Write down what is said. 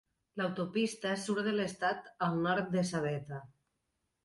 L'autopista surt de l'estat al nord de Sabetha.